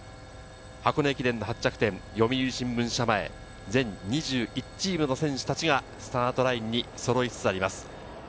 箱根駅伝の発着点、読売新聞社前、全２１チームの選手たちがスタートラインにそろいつつあります。